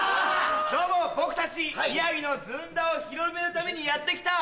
どうも僕たち宮城のずんだを広めるためにやって来た。